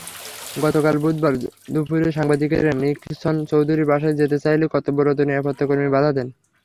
গতকাল বুধবার দুপুরে সাংবাদিকেরা নিক্সন চৌধুরীর বাসায় যেতে চাইলে কর্তব্যরত নিরাপত্তাকর্মী বাধা দেন।